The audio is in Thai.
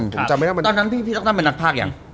พี่ต่นเป็นนักภาขอย่าง